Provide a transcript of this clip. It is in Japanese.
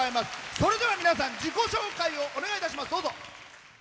それでは、皆さん自己紹介をお願いします。